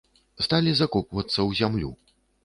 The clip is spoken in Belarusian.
Сталі закопвацца ў зямлю.